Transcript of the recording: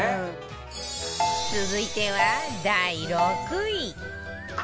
続いては第６位